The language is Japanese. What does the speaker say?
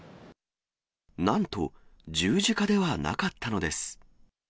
なんと十字架ではなかったのです。